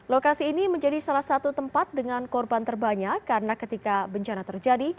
lokasi ini menjadi salah satu tempat dengan korban terbanyak karena ketika bencana terjadi